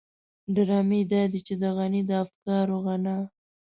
ډرامې دادي چې د غني د افکارو غنا.